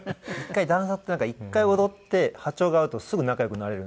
ダンサーって一回踊って波長が合うとすぐ仲良くなれるんですよ。